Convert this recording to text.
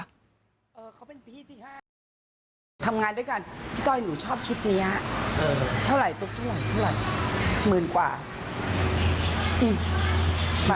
เขาเป็นคนใจดีมากคุณละจะร้องไห้เนาะ